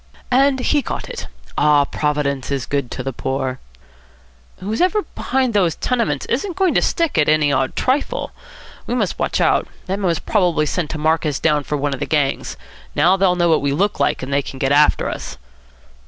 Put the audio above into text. "And he got it. Ah, Providence is good to the poor." "Whoever's behind those tenements isn't going to stick at any odd trifle. We must watch out. That man was probably sent to mark us down for one of the gangs. Now they'll know what we look like, and they can get after us."